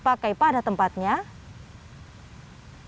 yang ketiga memakai masker dan menjaga jarak